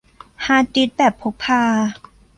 ฮาร์ดดิสก์แบบพกพา